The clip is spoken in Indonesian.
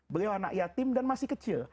beliau anak yatim dan masih kecil